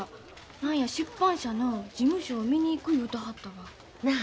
何や出版社の事務所を見に行く言うてはったわ。なあ。